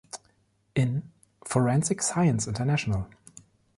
In: "Forensic Science International.